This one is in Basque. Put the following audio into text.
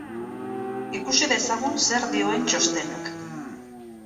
Ikus dezagun zer dioen txostenak.